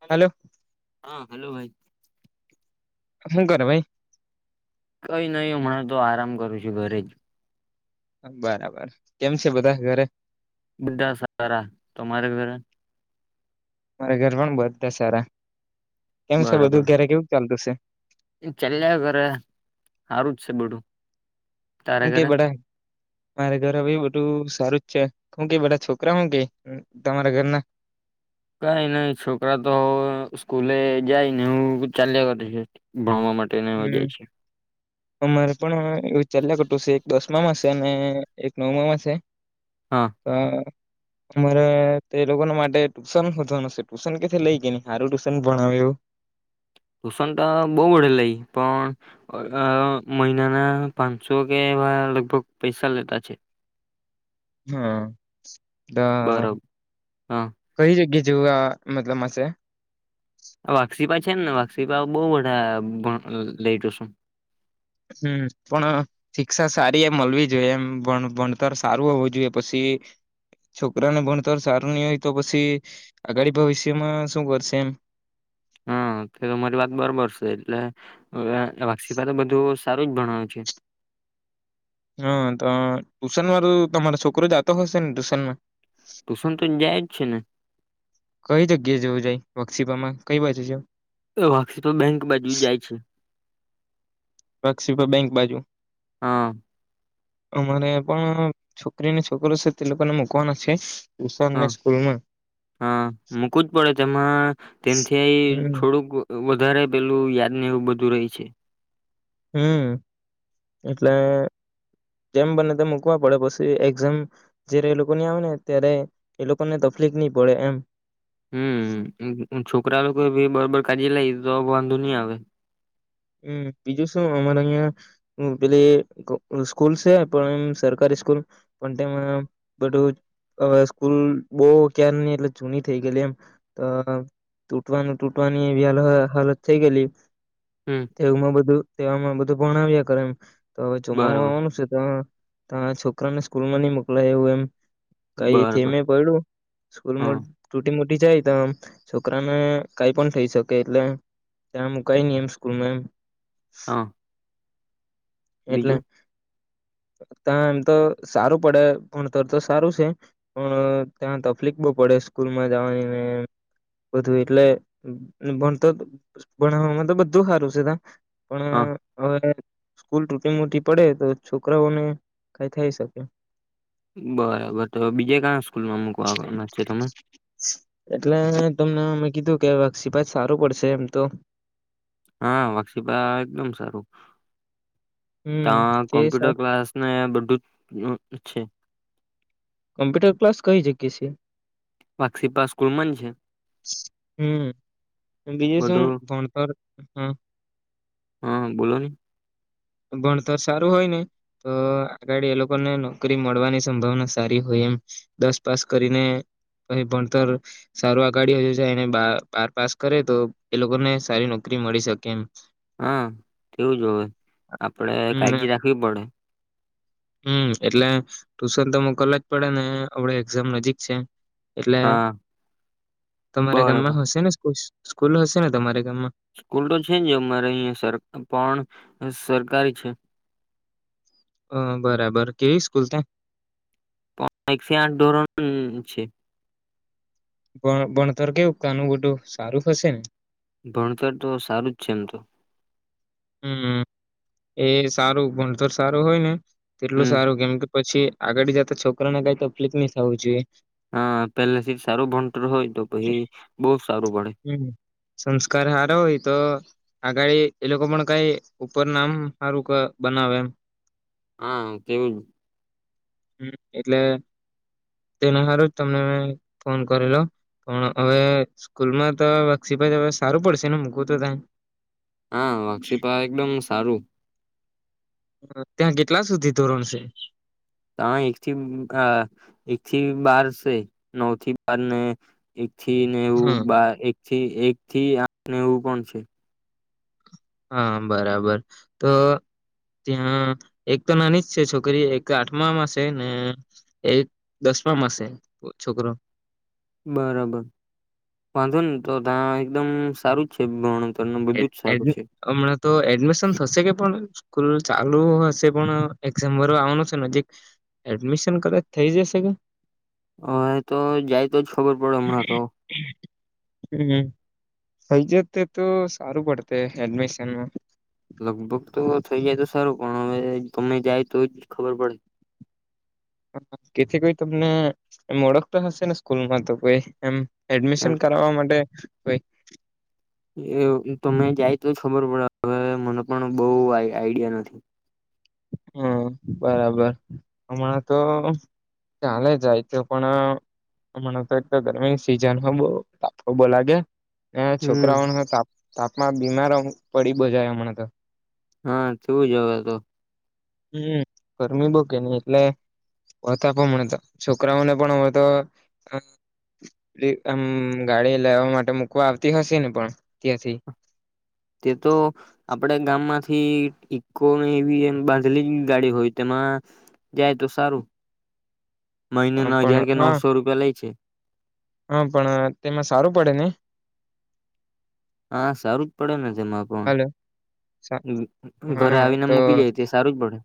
હાલો હ હા હલો ભાઈ હું કરે ભાઈ કઈ નહી હમણાં તો આરામ કરું છું ઘરે જ બરાબર કેમ છે બધા ઘરે બધા સારા તમારે ઘરે મારા ઘર પણ બધાં સારા કેમ છે બધું ઘરે કેવું ચાલતું છે [unintelligible] હારું જ છે બધુ હું કેયે બધા મારે ઘરે ભી બધું સારું જ છે હું કેય બધા છોકરા હું કેય તમારા ઘરના કઈ નહી છોકરા તો સ્કૂલે જાય ને એવું ચાલ્યા કરે છે ભણવા માટે [unintelligible] જાય છે અમર પણ એવુ ચલિયા કરતું છે એક દસ આમામાં છે અને એક નવમામાં છે હા હ અમારે તે લોકો ના માટે ટુશન વધવાનું છે ટુશન કેથી લઈ ગય ન સારું ટુશન ભણાવ્યુંવું ટુસન તો બહુ વડે લઈ પણ અ મહિનાના પાંચસો કે એવા લગભગ પૈસા લેતા છે હા હા બરોબર હા કઈ જગ્યા જીવવા મતલબસે વાક્ષીપા છેમ ને વાક્ષીપા બહ ભ લેતુ શે હમ્મ પણ શિક્ષા સારી એ મળવી જોઈએ એમ ભણતર સારું હોવું જોઈએ પછી છોકરાને ભણતર સારું નહી હોય તો પછી આગળ ભવિષ્યમાં શું કરશે એમ હા કે મારી વાત બરોબર છે એટલેવ વાક્ષીપ બધું સારું જ ભણાય્યું છે હા તો ટુશન વાળું તમારો છોકરો જતો હશે ને ટ્યુશન માં ટ્યુશન તો જાય જ છે ને કઈ જગ્યા જોવું જાય વક્ષીપામાં કઈ બાજુ છે એ વાક્ષિપા બેંક બાજુ જાય છે પક્ષીવ બેંક બાજુ હા અમારે આયા પણ છોકરીને છોકરો છે તે લોકોને મુકવાના છે ટ્યુશન હ ને સ્કૂલમાં હા મૂકવું જ પડે તેમાં તેથી હમ થોડુંક વધારે પેલું યાદ ને એવું બધું રહી છે હમ્મ એટલે જેમ બને તો મૂકવા પડે પછી એક્ઝામ જયારે એ લોકો ની આવે ને ત્યારે એ લોકોને તકલીફ નહી પડે એમ હમ્મ છોકરા લોકો ભી બબ કાળજી લઈ તો વાંધો નહી આવે હમ્મ બીજું શું અમારે અહં પેલી સ્કૂલ છે પણ એમ સરકારી સ્કૂલ પણ તેમાં બધું સ્કૂલ બો ક્યાલ ન એટલે જૂની થઈ ગયલી એમ તૂટવાનું તૂટવાની એવી હ હાલત થઈ ગયેલી હમ તેવુંમાં બધું તેવામાં બધું ભણ આવ્યા કરે એમ તો હવે ચોમાવા બરોબર આવવાનું છે તો ત્યાં છકરાને સ્કૂલ માં ની મોકલાય એવું એમ કઈ બરોબર થયમે પડ્યું સ્કૂલમા હા તૂટીમુટી જાય તો છોકરાને કઈ પણ થઈ શકે એટલે ત્યાં મુ કઈ ન એમ સ્કૂલ મેમ હા એટલે બીજું ત્યાં એમ તો સારું પડે ભણતર તો સારું છે પણ ત્યાં તકલીફ બહ પડે સ્કૂલમાં જવાનીને બું એટલે ભણતર ભણાવવામાં તો બદ દુ હારું છે ત હા પણ હવે સ્કૂલ તૂટી મોટી પડે તો છોકરાઓને કઈ થાય શકે. બરાબર તો બીજે કયા સ્કૂલમાં મકવાના છે તમે એટલે તમને મેં કીધું કે વાક્ષીપત સારું પડશે એમ તો હા વાક્ષીભા એકદમ સારું. ત હમ તે સા કોમ્પ્યુટર ક્લાસ ને બધું જ અચ્છા કોમ્પ્યુટર ક્લાસ કહી જગ્યા છે. વાક્ષીપ સ્કુલમન છે. હમ બીજું શું બધું ફોન પર હા. હા બોલો ને ભણતર સારું હોય ને તો આગળ એ લોકોને નોકરી મળવાની સંભાવના સારી હોય એમ દસ પાસ કરીને પ ભણતર સારું. અાડી એને બાર પાસ કરે તો એ લોકોને સારી નોકરી મળી શકે એમ. હા એવું જો આપણેે હમ કાળજી રાખવી પડે. હમ એટલે ટુશન તો મોકલલા જ પડે ને આપડ એક્ઝામ નજીક છે. એટલે હા તમારા બરોબર ગામમાં હશે ને. સ્કૂલ હશે ને તમારે. સ્કૂલ તો છે જ અમારે અહીં સર પણ હ સરકારી છે. હ બરાબર કેવી સ્કૂલ ત્યા પણ એક સ આઠ ધોરણ છે. ભ ભણતર કેવું કનું બધું સારું થશે ને. ભણતર તો સારું જ છે એમ તો હમ એ સારું ભણતર સારું હોય ને. તેટલું હમ સારું કેમ કે પછી આગળી જતા છોકરાને કઈ તો ફ્લિક મિસ આવવું જોઈએ. હા પેલા સીટ સારું ભણતર હોય તો પછી બહુ સારું પડે. હમ આગાળ એ લોકો પણ કઈ ઉપર નામ સારું બનાવે એમ. હા તેવું જ હમ એટલે તેને સારું જ તમને મે ફોન કરલો પણ હવે સ્કૂલમાં તો વક્ષિપ જ હવે સારું પડશે ને મૂકવું તો ત હા વાક્ષીપ એકદમ સારું ત્યાં કેટલા સુધી ધોરણ છે હા એક થી એક થી બાર છે નવ થી બાર ને એક થી ને હા એવું એક થી એક થી આઠ નેવું પણ છે હા બરાબર તો ત્યાં એક તો નાની જ છે છોકરી એક આઠમામાં છે ને એક દસમામાં છે છોકરો બરાબર વાંધો ને તો ત્યા એકદમ સારું જ છે ભણ હમણાં તો એડમિશન થશે કે પણ સ્કૂલ ચાલુ હશે પણ એક્ઝામ ભરવા આવવાનો છે નજીક એડમિશન કદાચ થઈ જશે કે હ તો જાય તો જ ખબર પડે હમણાં તો હમ થઈ જાતે તો સારું પડતે એડમિશનમાં લગભગ તો થઇ જાય તો સારું પણ હવે તમને જાય તો જ ખબર પડે કેથી કોઈ તમને એ ઓળખતા હશેને સ્કૂલમાં તો કોઈ એમ એમ એડમિશન કરાવવા માટે કંઈક એ તમે જાય તો જ ખબર પડે હવે મને પણ બહું આઈડિયા નથી હમ બરાબર હમણાં તો ચાલે જાય તો પણ હમણાં તો એક ગરમીની સિઝન બો તડકો લાગે હે હમ છોકરાઓ તાપમાં બીમાર પડી અમુક જાય હમણાં તો હા થવું જવા દો હમ ગરમી બોકે નહી એટલેતા પણ છોકરાઓને પણ હ તો આ ગાડી લેવા માટે મુકવા આવતી હશે ને પણ ત્યાંથી હિ ઇક્કો ની વ્હીલ બાંધલી ગાડી હોય તેમાં જાય તો સારું મહિને ના પણ હજાર કે હા નવસો રૂપિયા લે છે હા પણ હા તેમાં સારું પડે ને હા સારું જ પડે ને તેમાં પણ હાલો ઘરે હા આવીને તો મૂકી જાય તે સારું જ પડે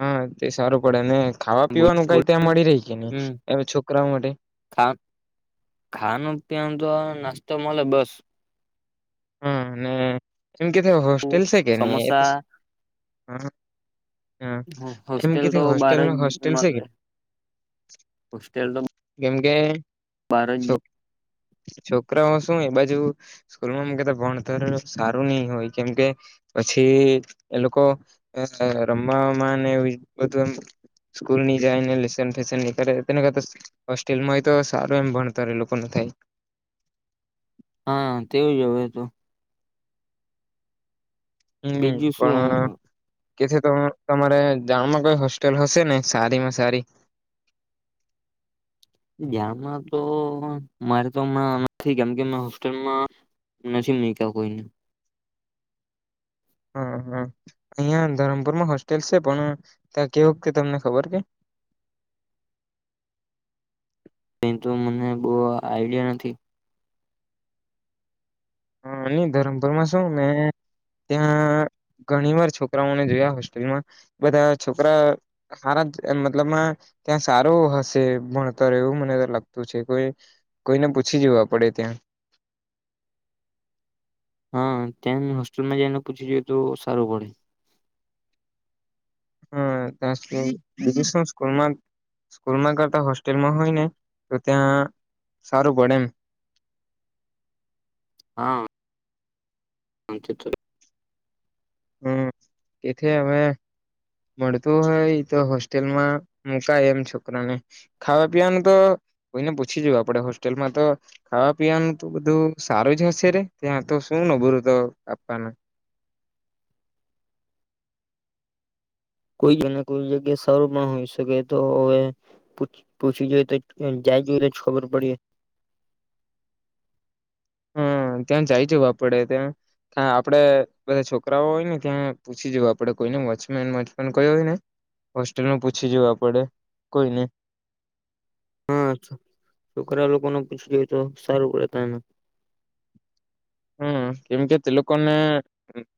હા સારું પડેને ખાવા બોલ પીવાનું બોલ કઈ ત્યાં મળી રહી કે નહી હમ એમ છોકરાઓ માટે ખા ખાવાનું ત્યાં તો નાસ્તો મળે બસ હા અને એમ કે ત્યાં હોસ્ટેલ છે કે નહી એ તો સમોસા હ એમ હોસ્ટેલ કે તો બાર હોસ્ટેલ જ હોસ્ટેલ છે કે મળે. હોસ્ટેલ તો કેમ કે બાર જ શું છોકરાઓ શું એ બાજુ સ્કૂલમાં ભણતર સારું નહી હોય કેમકે પછી એ લોકો રમવામાં બધું એમ સ્કૂલ ની જાય લેશન ફેશન ની કરે તેને કરતા હોસ્ટેલમાં હોય તો સારું એમ ભણતર એ લોકો થાય હા તેવું જ હવે તો હમ બીજું શું પણ- કે તમારે જામમાં કઈ હોસ્ટેલ હશે ને સારીમાં સારી જનમાં તો મારે તો નથી કેમ હોસ્ટેલમાં નથી મૂક્યા કોઈએ હા હા અહિયાં ધરમપુરમાં હોસ્ટેલ છે પણ ત્યાં કેવુંક તે તમને ખબર કે એંતુ મને બહુ આઈડિયા નથી હ નની ધરમપુરમાં શું મે ત્યાં ઘણી વાર છોકરાઓને જોયા હોસ્ટેલમાં બધા છોકરા સારા મતલબમાં ત્યાં સારું હશે ભણતર એવું મને લાગતું છે કો કોઈને પૂછી જવા પડે ત્યાં હા ત્યાં હોસ્ટેલમાં જઈને પૂછી જોઈએ તો સારું પડે હા ત્યાં સુ સ્કૂલમાં સ્કૂલમાં કરતા હોસ્ટેલમાં હોય ને તો ત્યાં સારું પડે એમ હા [unintelligible] હમ્મ એથી હવે મળતું હોય તો હોસ્ટેલમાં મુકાય એમ છોકરાને ખાવા પીવાનું તો કોઈને પૂછી જું આપણે હોસ્ટેલમાં તો ખાવા પીવાનું તો બધું સારું જ હશે રે ત્યાં તો શું નબુરું તો આપાના કોઈ જને કોઈ જગ્યા સારું પણ હોઈ શકે તો હવે પૂછી જોઈએ તો જાય જોઈ તો જ ખબર પડીયે હ ત્યાં જઈ જવું આપડે ત્યાં આપડે બધા છોકરાઓ હોય. ને ત્યાં પૂછી જવા આપડે કોઈને વોચમેન વચમેન કોઈ હોય ને હોસ્ટેલમાં પૂછી જવું આપડે કોઈ ને હા છ છોકરા લોકોને પૂછી જોયે તો સારું પડે તાના હમ્મ કેમ કે તે લોકોને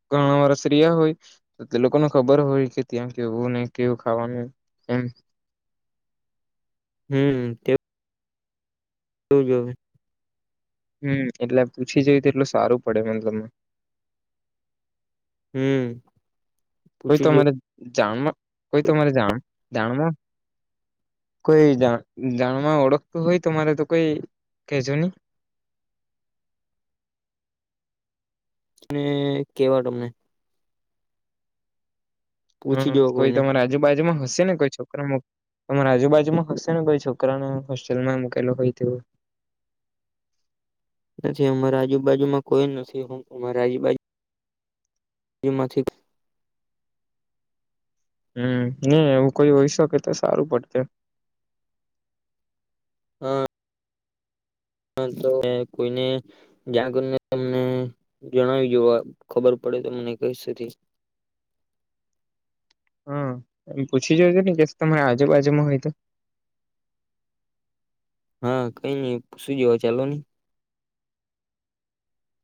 ઘણા વર્ષ રહ્યા હોય તે લોકોને ખબર હોય કે ત્યાં કેવું ને કેવું ખાવાનું એમ હમ્મ તે જોજો હવે હમ્મ એટલે પૂછી જય તો એટલું સારું પડે મતલબ હમ્મ હોયે તો માને ચાનમ કોઈ તમારી મારે જામ જાણમાં કોઈ જા જાણમાં ઓળખતું હોય તમારે તો કોઈ કહેજો ની અને કેવા તમને પૂછી હમ્મ જો કોઈ કોઈને તમારા આજુબાજુમાં હશે હશે ને કોઈ છોકરા મો તમારા આજુબાજુમાં હશે ને કોઈ છોકરાને હોસ્ટેલમાં મુકેલો હોય તેવુ નથી અમારા આજુબાજુમાં કોઈ નથી હું અમારા આજુબાજુ જેમાંથી હમ્મ ની એવું કોઈ હોય શકે તો સારું પડતે હા હાલ તો કોઈને જાણ કરીને તમને જણાવી જોવા ખબર પડે તો મને કઈ હા એમ પૂછી જોજેને કે તમારે આજુબબાજુમાં હોય તો હા કઈ નઈ પુસી જોવા ચાલો ની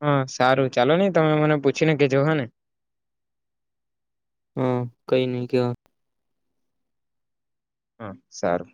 હા સારું ચાલો ની તમે મને પૂછીને કેજો હ ને હ કઈ નહી કહેવા હા સારું